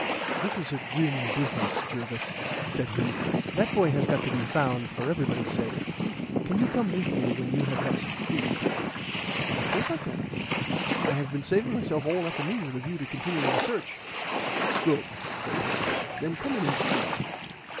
"This is a grim business, Jervis," said he. "That boy has got to be found for everybody's sake. Can you come with me when you have had some food?" "Of course I can. I have been saving myself all the afternoon with a view to continuing the search." "Good," said Thorndyke. "Then come in and feed."